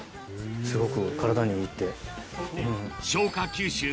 すごく体にもいいって。